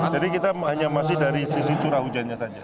jadi kita hanya masih dari sisi turah hujannya saja